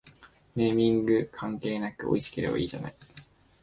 ネーミング関係なくおいしければいいじゃない